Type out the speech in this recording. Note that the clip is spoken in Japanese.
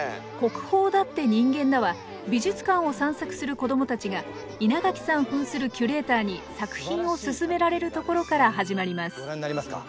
「国宝だって人間だ！」は美術館を散策する子どもたちが稲垣さんふんするキュレーターに作品をすすめられるところから始まります。